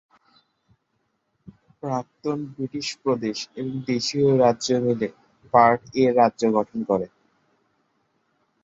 প্রাক্তন ব্রিটিশ প্রদেশ এবং দেশীয় রাজ্য মিলে পার্ট এ রাজ্য গঠন করে।